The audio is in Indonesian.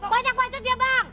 banyak banyak dia bang